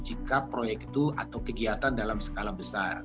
jika proyek itu atau kegiatan dalam skala besar